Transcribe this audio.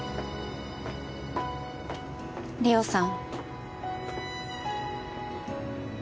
梨央さん